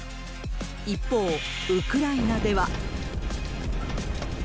一方、ウクライナでは。